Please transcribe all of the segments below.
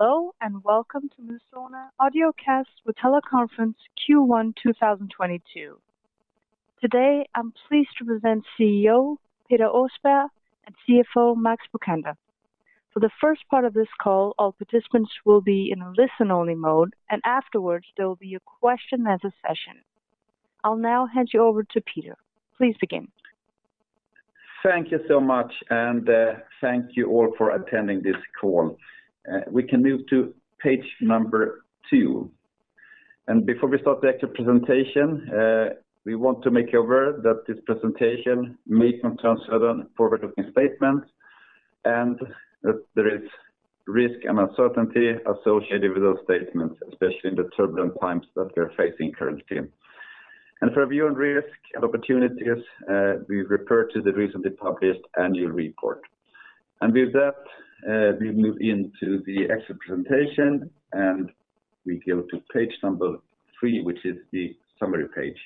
Hello, and welcome to Midsona Audiocast with Teleconference Q1 2022. Today, I'm pleased to present CEO Peter Åsberg and CFO Max Bokander. For the first part of this call, all participants will be in a listen-only mode, and afterwards, there will be a question and answer session. I'll now hand you over to Peter. Please begin. Thank you so much, and thank you all for attending this call. We can move to page number two. Before we start the actual presentation, we want to make you aware that this presentation may contain certain forward-looking statements, and that there is risk and uncertainty associated with those statements, especially in the turbulent times that we are facing currently. For a view on risk and opportunities, we refer to the recently published annual report. With that, we move into the actual presentation, and we go to page number three, which is the summary page.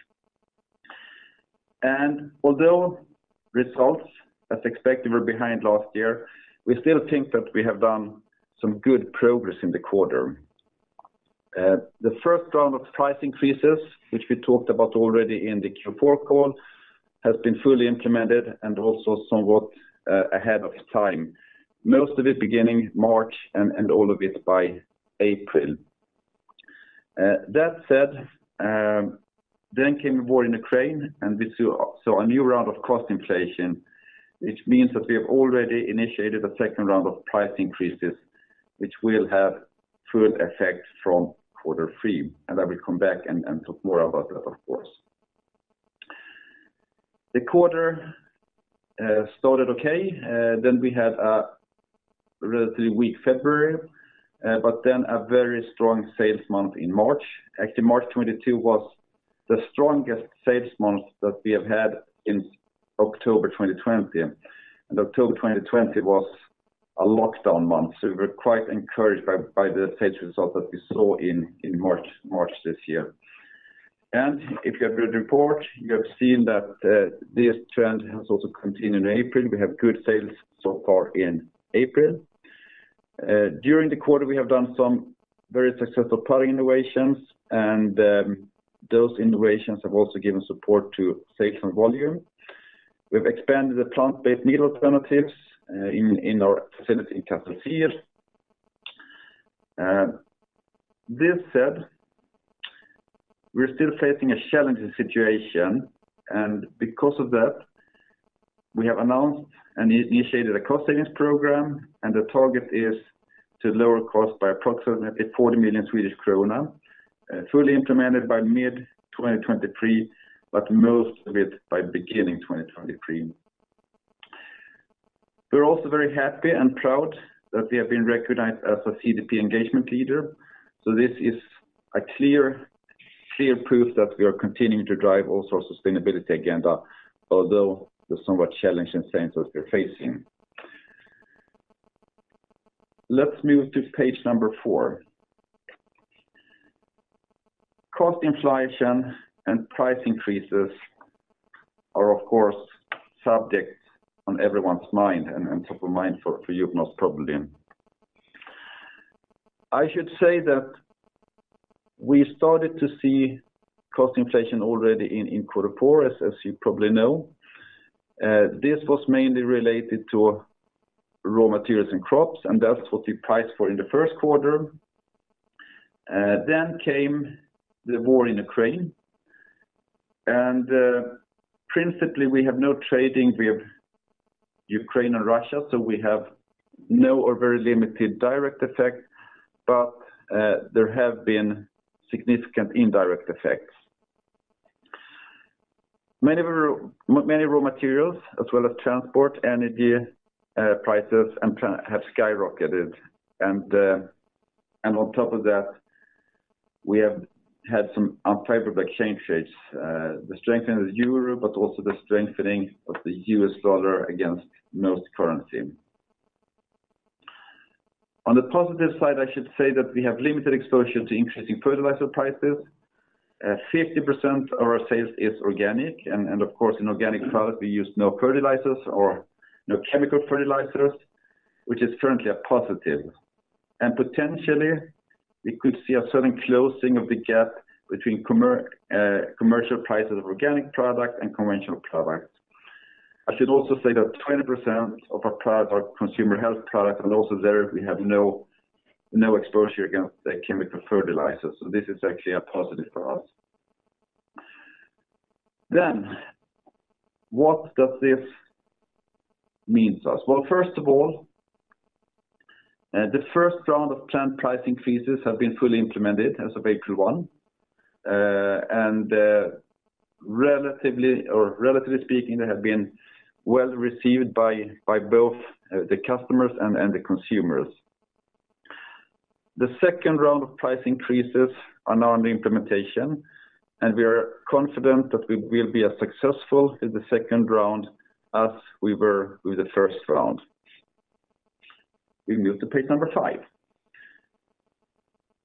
Although results as expected were behind last year, we still think that we have done some good progress in the quarter. The first round of price increases, which we talked about already in the Q4 call, has been fully implemented and also somewhat ahead of time, most of it beginning March and all of it by April. That said, came the war in Ukraine, and we saw a new round of cost inflation, which means that we have already initiated a second round of price increases, which will have full effect from quarter three. I will come back and talk more about that, of course. The quarter started okay. We had a relatively weak February, but then a very strong sales month in March. Actually, March 2022 was the strongest sales month that we have had since October 2020. October 2020 was a lockdown month, so we're quite encouraged by the sales result that we saw in March this year. If you have read the report, you have seen that this trend has also continued in April. We have good sales so far in April. During the quarter, we have done some very successful product innovations, and those innovations have also given support to sales and volume. We've expanded the plant-based meat alternatives in our facility in Castellcir. That said, we're still facing a challenging situation, and because of that, we have announced and initiated a cost savings program, and the target is to lower cost by approximately 40 million Swedish krona, fully implemented by mid-2023, but most of it by beginning 2023. We're also very happy and proud that we have been recognized as a CDP engagement leader, so this is a clear proof that we are continuing to drive also sustainability agenda, although the somewhat challenging times that we're facing. Let's move to page number four. Cost inflation and price increases are, of course, subjects on everyone's mind and top of mind for you most probably. I should say that we started to see cost inflation already in quarter four, as you probably know. This was mainly related to raw materials and crops, and that's what we priced for in the first quarter. Then came the war in Ukraine, and principally, we have no trading with Ukraine and Russia, so we have no or very limited direct effect, but there have been significant indirect effects. Many raw materials as well as transport, energy, prices have skyrocketed. On top of that, we have had some unfavorable exchange rates, the strengthening of the euro, but also the strengthening of the US dollar against most currency. On the positive side, I should say that we have limited exposure to increasing fertilizer prices. 50% of our sales is organic, and of course, in organic products we use no fertilizers or chemical fertilizers, which is currently a positive. Potentially, we could see a certain closing of the gap between commercial prices of organic product and conventional product. I should also say that 20% of our products are consumer health products, and also there we have no exposure against the chemical fertilizers, so this is actually a positive for us. What does this mean to us? Well, first of all, the first round of planned price increases have been fully implemented as of April 1, 2022. Relatively speaking, they have been well received by both the customers and the consumers. The second round of price increases are now under implementation, and we are confident that we will be as successful in the second round as we were with the first round. We move to page number five.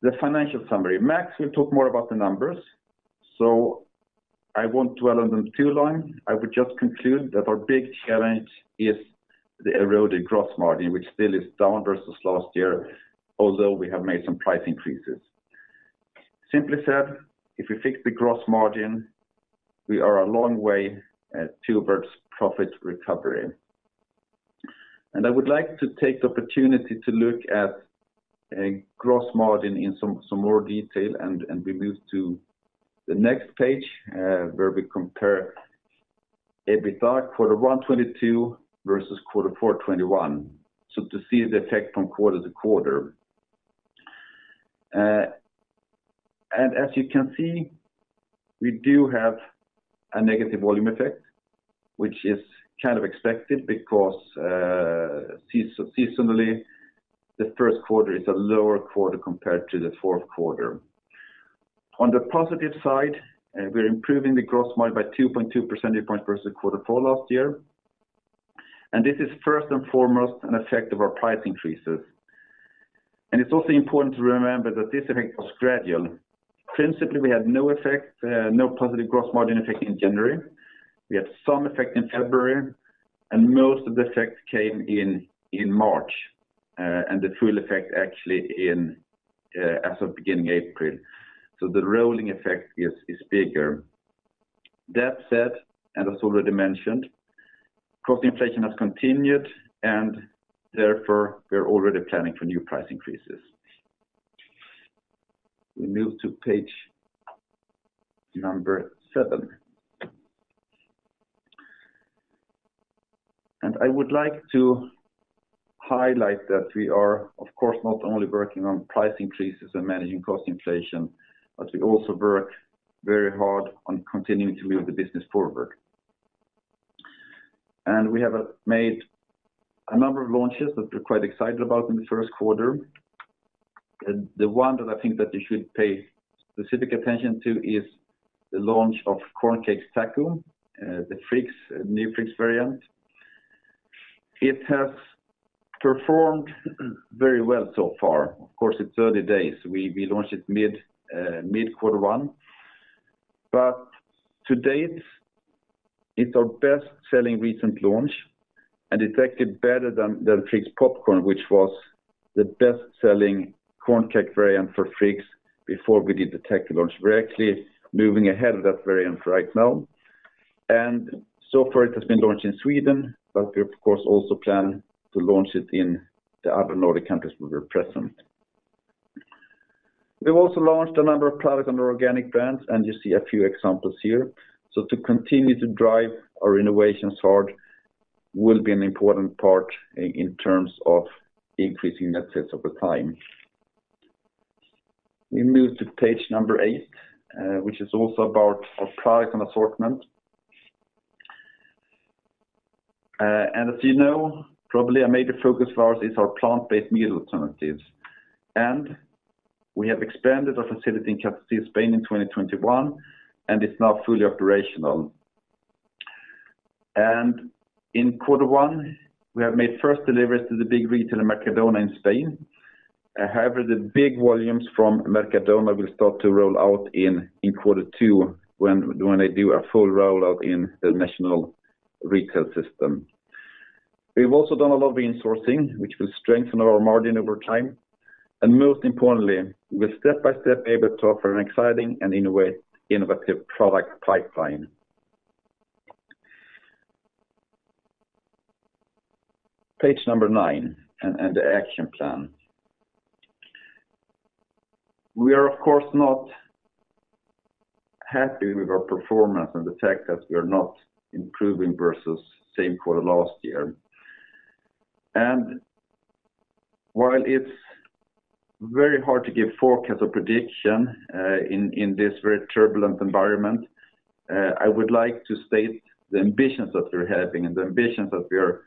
The financial summary. Max will talk more about the numbers, so I won't dwell on them too long. I would just conclude that our big challenge is the eroded gross margin, which still is down versus last year, although we have made some price increases. Simply said, if we fix the gross margin, we are a long way towards profit recovery. I would like to take the opportunity to look at Gross Margin in some more detail and we move to the next page, where we compare EBITDA quarter one 2022 versus quarter four 2021, so to see the effect from quarter to quarter. As you can see, we do have a negative volume effect, which is kind of expected because seasonally, the first quarter is a lower quarter compared to the fourth quarter. On the positive side, we're improving the gross margin by 2.2 percentage point versus quarter four last year. This is first and foremost an effect of our price increases. It's also important to remember that this effect was gradual. Principally, we had no effect, no positive gross margin effect in January. We had some effect in February, and most of the effect came in March, and the full effect actually in as of beginning April. The rolling effect is bigger. That said, and as already mentioned, cost inflation has continued, and therefore we're already planning for new price increases. We move to page seven. I would like to highlight that we are, of course, not only working on price increases and managing cost inflation, but we also work very hard on continuing to move the business forward. We have made a number of launches that we're quite excited about in the first quarter. The one that I think that you should pay specific attention to is the launch of Corn Cake Taco, the Friggs, new Friggs variant. It has performed very well so far. Of course, it's early days. We launched it mid quarter one. To date, it's our best-selling recent launch, and it's acted better than Friggs Popcorn, which was the best-selling corn cake variant for Friggs before we did the taco launch. We're actually moving ahead of that variant right now. So far it has been launched in Sweden, but we of course also plan to launch it in the other Nordic countries where we're present. We've also launched a number of products under organic brands, and you see a few examples here. To continue to drive our innovations hard will be an important part in terms of increasing net sales over time. We move to page number eight, which is also about our product and assortment. As you know, probably a major focus of ours is our plant-based meal alternatives. We have expanded our facility in Castellcir, Spain in 2021, and it's now fully operational. In quarter one, we have made first deliveries to the big retailer, Mercadona, in Spain. However, the big volumes from Mercadona will start to roll out in quarter two when they do a full rollout in the national retail system. We've also done a lot of insourcing, which will strengthen our margin over time. Most importantly, we're step-by-step able to offer an exciting and innovative product pipeline. Page number nine and the action plan. We are, of course, not happy with our performance and the fact that we are not improving versus same quarter last year. While it's very hard to give forecast or prediction in this very turbulent environment, I would like to state the ambitions that we're having and the ambitions that we are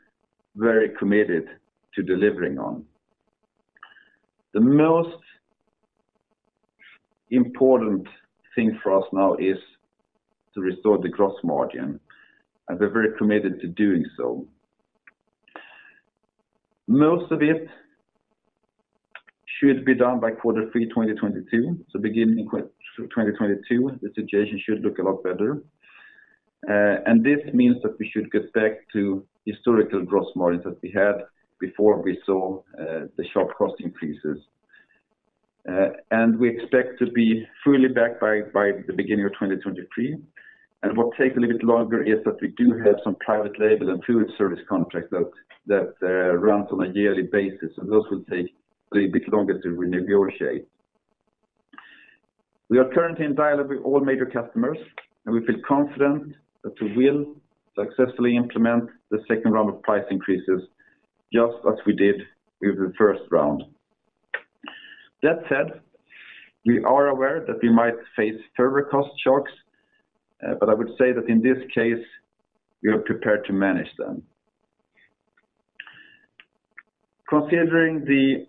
very committed to delivering on. The most important thing for us now is to restore the gross margin, and we're very committed to doing so. Most of it should be done by Q3 2022. Beginning 2022, the situation should look a lot better. This means that we should get back to historical gross margins that we had before we saw the sharp cost increases. We expect to be fully back by the beginning of 2023. What takes a little bit longer is that we do have some private label and food service contracts that run on a yearly basis, and those will take a little bit longer to renegotiate. We are currently in dialogue with all major customers, and we feel confident that we will successfully implement the second round of price increases just as we did with the first round. That said, we are aware that we might face further cost shocks, but I would say that in this case, we are prepared to manage them. Considering the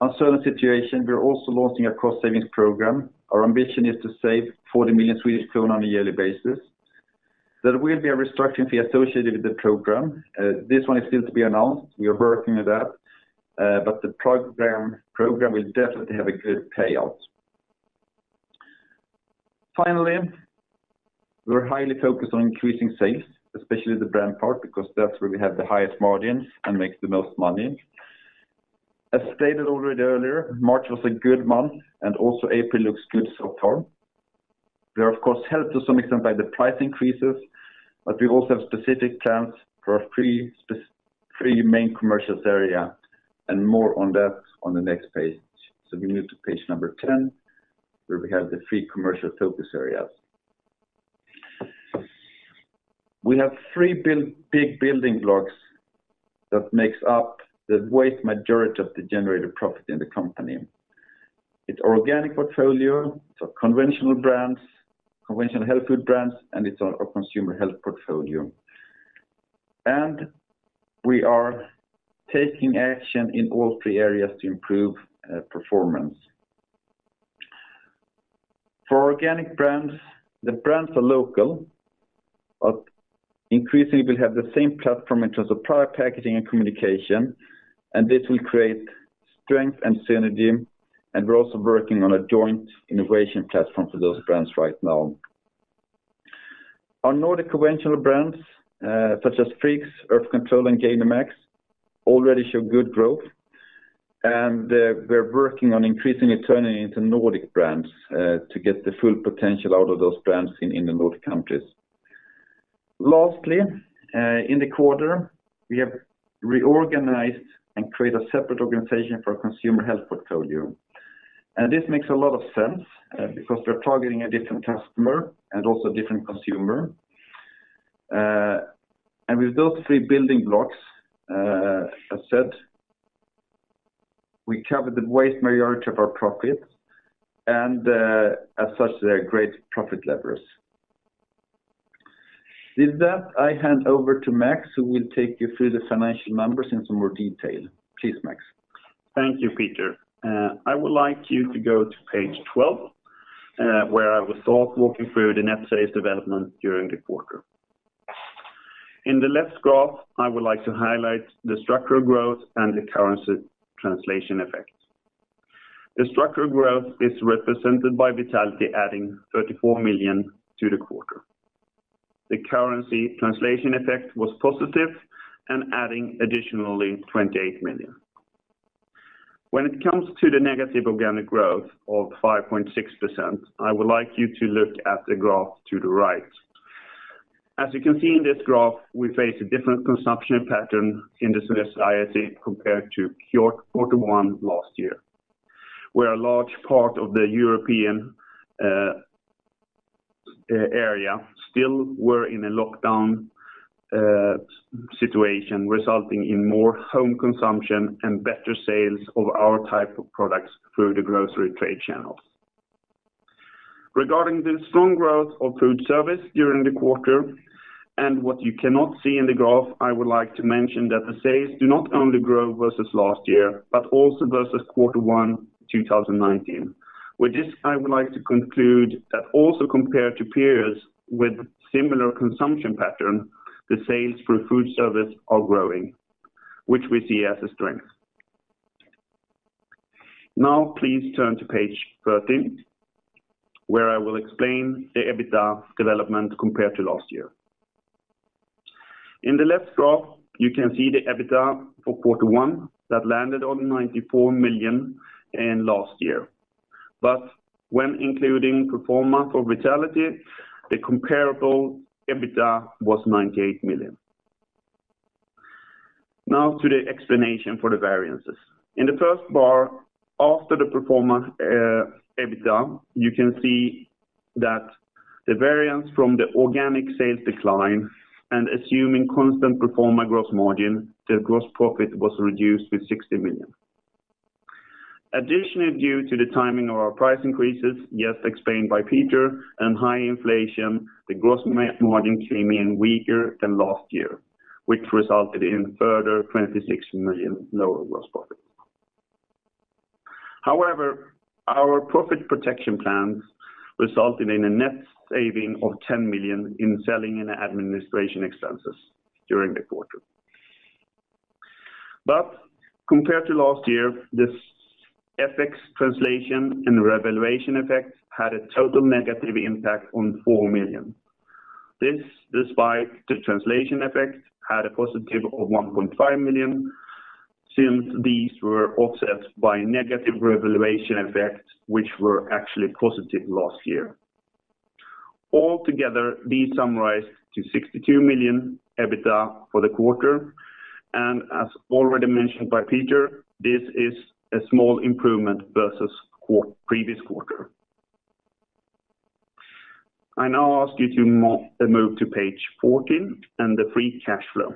uncertain situation, we're also launching a cost savings program. Our ambition is to save 40 million Swedish kronor on a yearly basis. There will be a restructuring fee associated with the program. This one is still to be announced. We are working on that, but the program will definitely have a good payout. Finally, we're highly focused on increasing sales, especially the brand part, because that's where we have the highest margin and makes the most money. As stated already earlier, March was a good month and also April looks good so far. We are of course helped to some extent by the price increases, but we also have specific plans for our three main commercial areas and more on that on the next page. We move to page number ten, where we have the three commercial focus areas. We have three big building blocks that makes up the vast majority of the generated profit in the company. It's organic portfolio, it's our conventional brands, conventional health food brands, and it's our consumer health portfolio. We are taking action in all three areas to improve performance. For organic brands, the brands are local, but increasingly will have the same platform in terms of product packaging and communication, and this will create strength and synergy, and we're also working on a joint innovation platform for those brands right now. Our Nordic conventional brands, such as Friggs, Earth Control, and Gainomax already show good growth, and we're working on increasing and turning into Nordic brands to get the full potential out of those brands in the Nordic countries. Lastly, in the quarter, we have reorganized and created a separate organization for our consumer health portfolio. This makes a lot of sense because we're targeting a different customer and also a different consumer. With those three building blocks, as said, we cover the vast majority of our profits and, as such, they're great profit levers. With that, I hand over to Max who will take you through the financial numbers in some more detail. Please, Max. Thank you, Peter. I would like you to go to page 12, where I will start walking through the net sales development during the quarter. In the left graph, I would like to highlight the structural growth and the currency translation effect. The structural growth is represented by Vitality adding 34 million to the quarter. The currency translation effect was positive and adding additionally 28 million. When it comes to the negative organic growth of 5.6%, I would like you to look at the graph to the right. As you can see in this graph, we face a different consumption pattern in the society compared to Q1 last year, where a large part of the European area still were in a lockdown situation resulting in more home consumption and better sales of our type of products through the grocery trade channels. Regarding the strong growth of food service during the quarter and what you cannot see in the graph, I would like to mention that the sales do not only grow versus last year, but also versus quarter one, 2019. With this, I would like to conclude that also compared to periods with similar consumption pattern, the sales through food service are growing, which we see as a strength. Now please turn to page 13, where I will explain the EBITDA development compared to last year. In the left graph, you can see the EBITDA for quarter one that landed on 94 million in last year. When including pro forma for Vitality, the comparable EBITDA was 98 million. Now to the explanation for the variances. In the first bar, after the pro forma EBITDA, you can see that the variance from the organic sales decline and assuming constant pro forma gross margin, the gross profit was reduced with 60 million. Additionally, due to the timing of our price increases, just explained by Peter and high inflation, the gross margin came in weaker than last year, which resulted in further 26 million lower gross profit. However, our profit protection plans resulted in a net saving of 10 million in selling and administration expenses during the quarter. Compared to last year, this FX translation and revaluation effect had a total negative impact on 4 million. This, despite the translation effect, had a positive of 1.5 million, since these were offset by negative revaluation effects which were actually positive last year. All together, these summarize to 62 million EBITDA for the quarter, and as already mentioned by Peter, this is a small improvement versus previous quarter. I now ask you to move to page 14 and the free cash flow.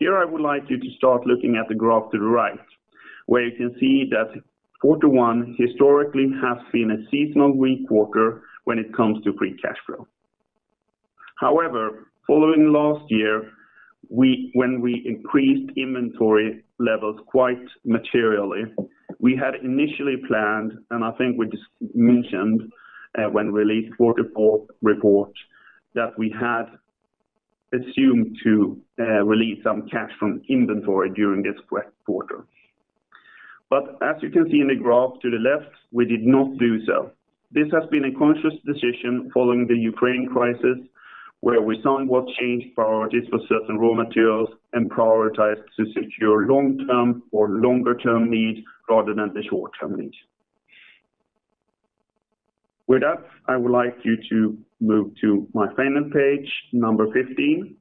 Here I would like you to start looking at the graph to the right, where you can see that quarter one historically has been a seasonal weak quarter when it comes to free cash flow. However, following last year, when we increased inventory levels quite materially, we had initially planned, and I think we just mentioned when we released the quarter four report that we had assumed to release some cash from inventory during this quarter. But as you can see in the graph to the left, we did not do so. This has been a conscious decision following the Ukraine crisis, where we saw what changed priorities for certain raw materials and prioritized to secure long-term or longer term needs rather than the short-term needs. With that, I would like you to move to my final page number 15.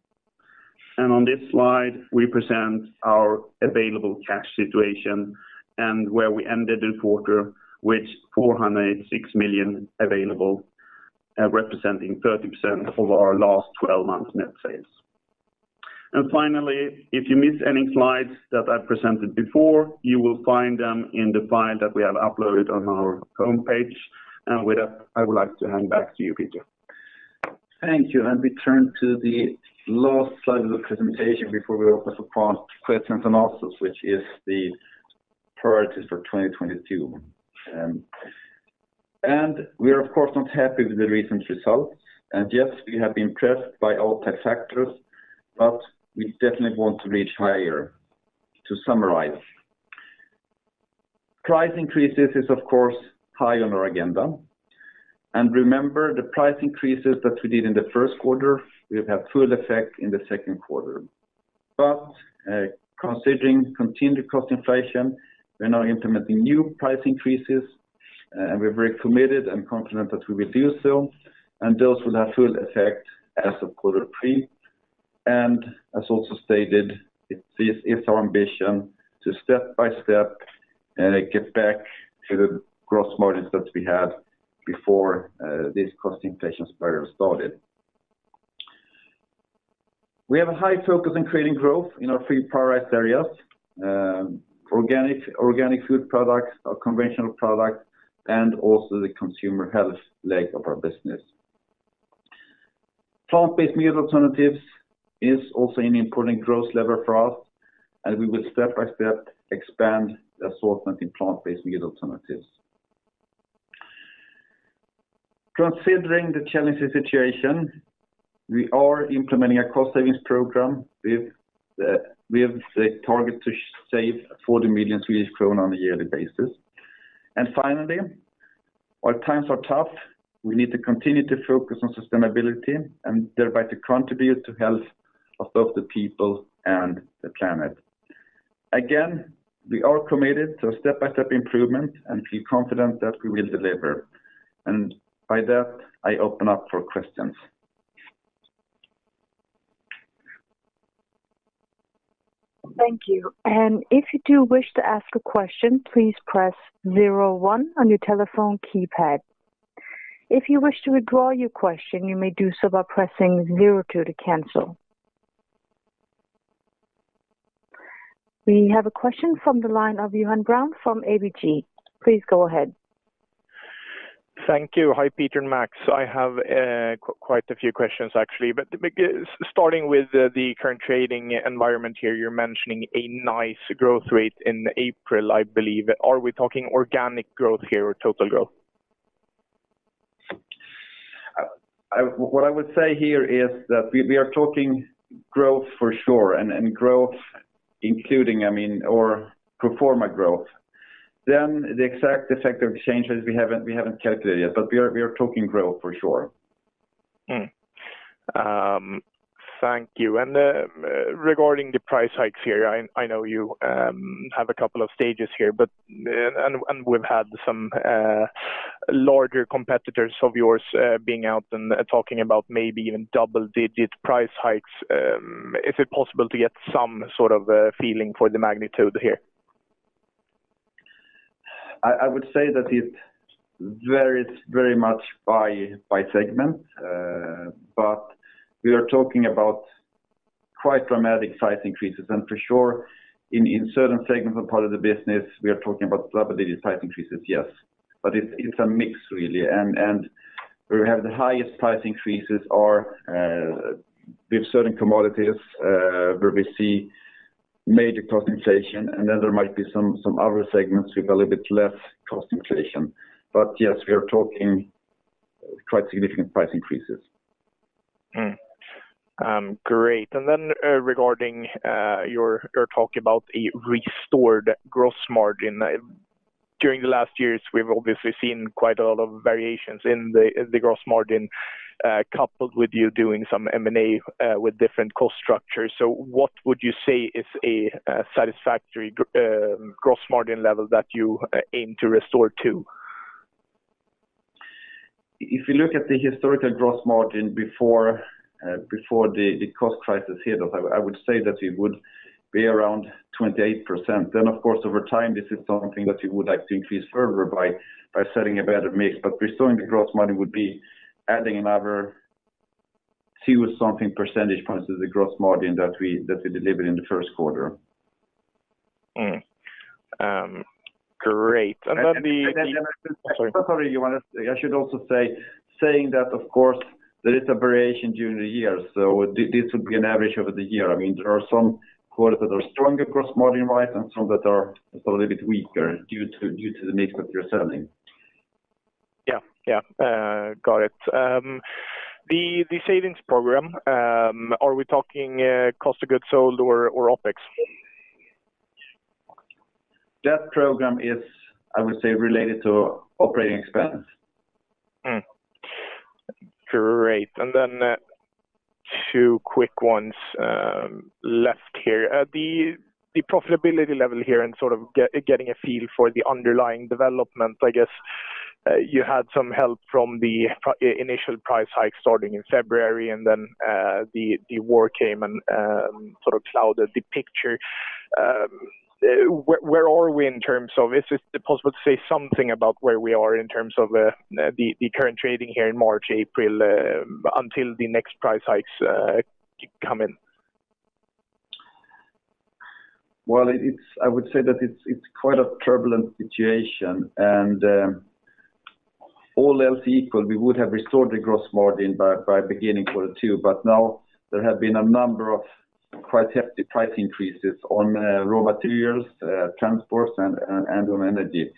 On this slide, we present our available cash situation and where we ended the quarter with 406 million available, representing 30% of our last 12 months net sales. Finally, if you missed any slides that I presented before, you will find them in the file that we have uploaded on our home page. With that, I would like to hand back to you, Peter Åsberg. Thank you. We turn to the last slide of the presentation before we open for questions and answers, which is the priorities for 2022. We are of course not happy with the recent results. Yes, we have been pressed by all the factors, but we definitely want to reach higher. To summarize, price increases is of course high on our agenda. Remember the price increases that we did in the first quarter will have full effect in the second quarter. Considering continued cost inflation, we are now implementing new price increases, and we're very committed and confident that we will do so, and those will have full effect as of quarter three. As also stated, it's our ambition to step-by-step get back to the gross margins that we had before this cost inflation spiral started. We have a high focus on creating growth in our three prioritized areas, organic food products or conventional products, and also the consumer health leg of our business. Plant-based meat alternatives is also an important growth lever for us, and we will step-by-step expand the assortment in plant-based meat alternatives. Considering the challenging situation, we are implementing a cost savings program with the target to save 40 million Swedish kronor on a yearly basis. Finally, our times are tough. We need to continue to focus on sustainability and thereby to contribute to health of both the people and the planet. Again, we are committed to step-by-step improvement and feel confident that we will deliver. By that, I open up for questions. Thank you. If you do wish to ask a question, please press zero one on your telephone keypad. If you wish to withdraw your question, you may do so by pressing zero two to cancel. We have a question from the line of Johan Brown from ABG. Please go ahead. Thank you. Hi, Peter and Max. I have quite a few questions, actually. Starting with the current trading environment here, you're mentioning a nice growth rate in April, I believe. Are we talking organic growth here or total growth? What I would say here is that we are talking growth for sure, and growth including, I mean, or pro forma growth. The exact effect of changes we haven't calculated yet, but we are talking growth for sure. Thank you. Regarding the price hikes here, I know you have a couple of stages here, but and we've had some larger competitors of yours being out and talking about maybe even double-digit price hikes. Is it possible to get some sort of a feeling for the magnitude here? I would say that it varies very much by segment. We are talking about quite dramatic price increases. For sure in certain segments or part of the business, we are talking about double-digit price increases, yes. It's a mix really. Where we have the highest price increases are with certain commodities, where we see major cost inflation, and then there might be some other segments with a little bit less cost inflation. Yes, we are talking quite significant price increases. Great. Regarding your talk about a restored gross margin. During the last years, we've obviously seen quite a lot of variations in the gross margin, coupled with you doing some M&A with different cost structures. What would you say is a satisfactory gross margin level that you aim to restore to? If you look at the historical gross margin before the cost crisis hit us, I would say that it would be around 28%. Of course, over time, this is something that we would like to increase further by setting a better mix. Restoring the gross margin would be adding another few percentage points to the gross margin that we delivered in the first quarter. Great. And then, and then- Oh, sorry. Sorry, Johan. I should also say that of course there is a variation during the year, so this would be an average over the year. I mean, there are some quarters that are stronger gross margin-wise and some that are just a little bit weaker due to the mix that you're selling. Yeah. Yeah. Got it. The savings program, are we talking cost of goods sold or OPEX? That program is, I would say, related to operating expense. Great. Two quick ones left here. The profitability level here and sort of getting a feel for the underlying development, I guess, you had some help from the initial price hike starting in February and then, the war came and sort of clouded the picture. Where are we in terms of the current trading here in March, April, until the next price hikes come in? Is it possible to say something about where we are in terms of the current trading here in March, April, until the next price hikes come in? Well, I would say that it's quite a turbulent situation. All else equal, we would have restored the gross margin by beginning quarter two, but now there have been a number of quite hefty price increases on raw materials, transport and on energy.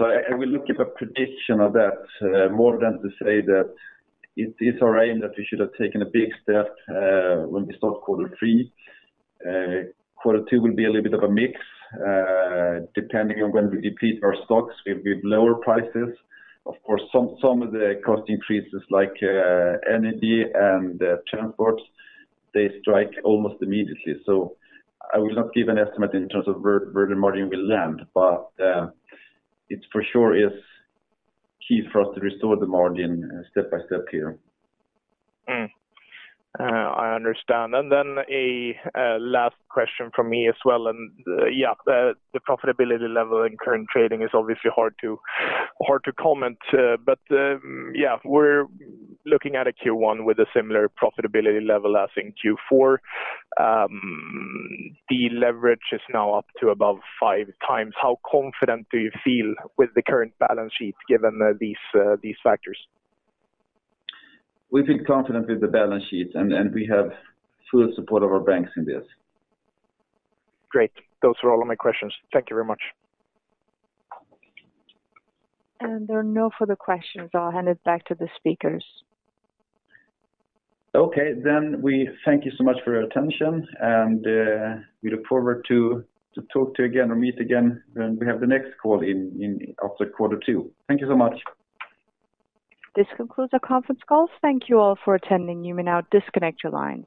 I will look at a prediction of that more than to say that it's our aim that we should have taken a big step when we start quarter three. Quarter two will be a little bit of a mix depending on when we deplete our stocks with lower prices. Of course, some of the cost increases like energy and transports, they strike almost immediately. I will not give an estimate in terms of where the margin will land, but it's for sure is key for us to restore the margin step by step here. I understand. Then a last question from me as well. Yeah, the profitability level in current trading is obviously hard to comment. But yeah, we're looking at a Q1 with a similar profitability level as in Q4. The leverage is now up to above 5x. How confident do you feel with the current balance sheet given these factors? We feel confident with the balance sheet and we have full support of our banks in this. Great. Those are all of my questions. Thank you very much. There are no further questions. I'll hand it back to the speakers. Okay. We thank you so much for your attention, and we look forward to talk to you again or meet again when we have the next call after quarter two. Thank you so much. This concludes our conference call. Thank you all for attending. You may now disconnect your lines.